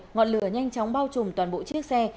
ngọn lửa nhanh chóng bao trùm toàn bộ chiếc xe